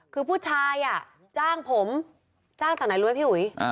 คือผู้ชายจ้างผมจ้างจากไหนรู้ไหมพี่อุ๋ย